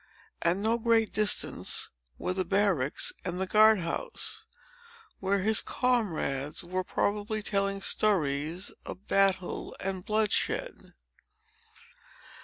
At no great distance were the barracks and the guard house, where his comrades were probably telling stories of battle and bloodshed.